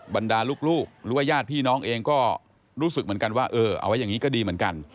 บรรดาลูกหรือว่าญาติพี่น้องเองก็รู้สึกเหมือนกันว่าเออเอาไว้อย่างนี้ก็ดีเหมือนกัน